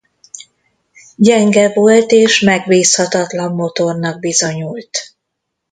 Gyenge volt és megbízhatatlan motornak bizonyult.